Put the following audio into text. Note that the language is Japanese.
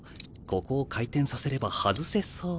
ここを回転させれば外せそう。